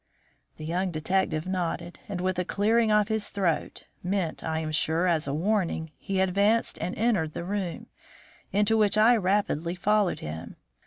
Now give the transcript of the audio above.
The young detective nodded, and with a clearing of his throat, meant, I am sure, as a warning, he advanced and entered the room, into which I rapidly followed him.